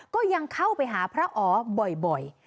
ก็ยังเข้าไปหาพระอ๋อบ่อย